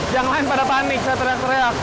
jangan lain pada panik saat teriak teriak